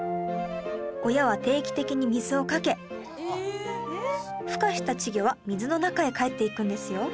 親は定期的に水をかけふ化した稚魚は水の中へ帰っていくんですよ